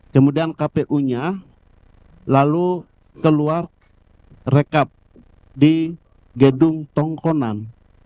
kemudian kpu nya lalu keluar rekap di gedung tongkonan